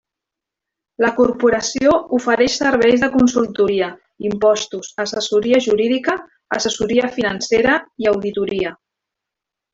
La corporació ofereix serveis de consultoria, impostos, assessoria jurídica, assessoria financera i auditoria.